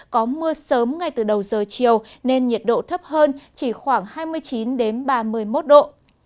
có mưa sớm ngay từ đầu giờ chiều nên nhiệt độ thấp hơn chỉ khoảng hai mươi chín ba mươi một độ